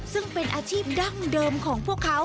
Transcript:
ซึ่งเป็นอาชีพดั้งเดิมของพวกเขา